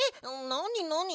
なになに？